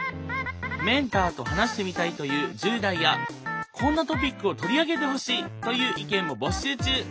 メンターと話してみたいという１０代やこんなトピックを取り上げてほしいという意見も募集中。